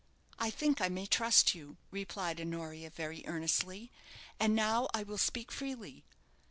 "I think I may trust you," replied Honoria, very earnestly "And now I will speak freely.